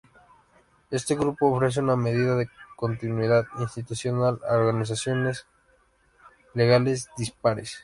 Este grupo ofrece una medida de continuidad institucional a organizaciones legales dispares.